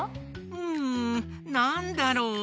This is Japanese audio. んなんだろう？